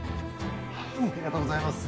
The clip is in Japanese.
ありがとうございます。